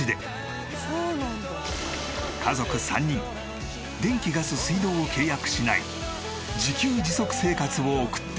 家族３人電気ガス水道を契約しない自給自足生活を送っています。